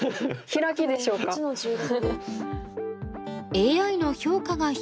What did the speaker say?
ＡＩの評価が低い